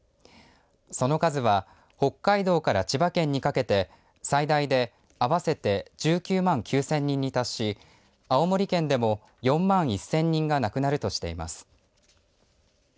その数は北海道から千葉県にかけて最大で合わせて１９万９０００人に達し青森県でも４万１０００人が亡くなるとしています。